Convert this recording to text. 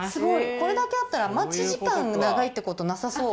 これだけあったら待ち時間長いってことなさそう。